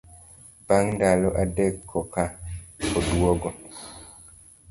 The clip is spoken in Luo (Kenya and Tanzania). Bang ndalo adek koka oduogo.